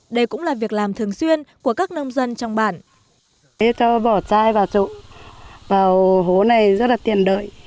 đây cũng là việc làm thường xuyên của các nông dân trong bản